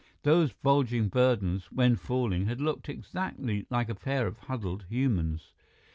Those bulging burdens, when falling, had looked exactly like a pair of huddled humans.